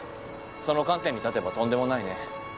その観点に立てばとんでもないね。